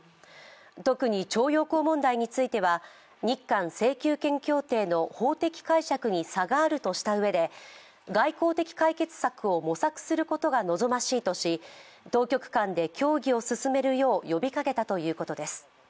特に徴用工問題については日韓請求権協定の法的解釈に差があるとしたうえで外国的解決策を模索することが望ましいとし、当局間で協議を進めるよう呼びかけたということです。